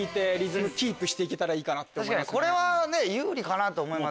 これは有利かなと思います。